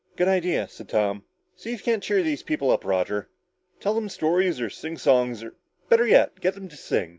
"Good idea," said Tom. "See if you can't cheer these people up, Roger. Tell them stories or sing songs or better yet, get them to sing.